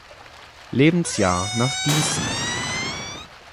Lebensjahr nach Gießen.